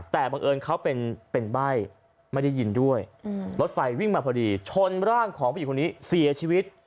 แต่บังเอิญเขาเป็นใบ้ไม่ได้ยินด้วยรถไฟวิ่งมาพอดีชนร่างของผู้หญิงคนนี้เสียชีวิต